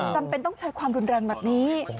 จำเป็นต้องใช้ความรุนแรงแบบนี้